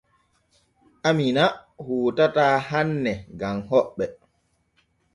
Amiina hootataa hanne gam hoɓɓe.